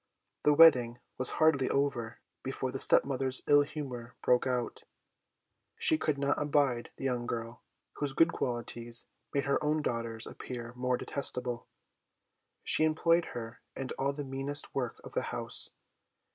The wedding was hardly over before the stepmother's ill humour broke out. She could not abide the young girl, whose good qualities made her own daughters appear more detestable. She employed her in all the meanest work of the house.